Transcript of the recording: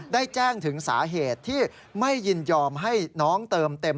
ได้แจ้งถึงสาเหตุที่ไม่ยินยอมให้น้องเติมเต็ม